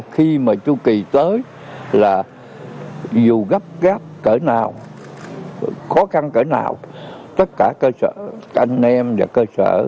khi mà chu kỳ tới là dù gấp gáp cỡ nào khó khăn cỡ nào tất cả cơ sở anh em và cơ sở